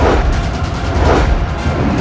aku akan terus memburumu